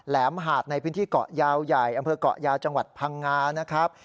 มหาดในพื้นที่เกาะยาวใหญ่อำเภอกเกาะยาวจังหวัดพังงานะครับ